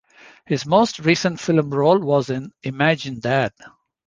His most recent film role was in "Imagine That".